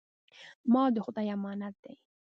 مال د خدای امانت دی.